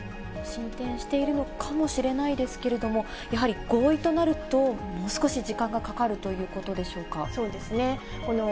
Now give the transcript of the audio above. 進展しているのかもしれないですけれども、やはり、合意となると、もう少し時間がかかるといそうですね。